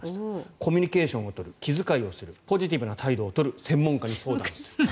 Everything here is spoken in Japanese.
コミュニケーションを取る気遣いをするポジティブな態度を取る専門家に相談する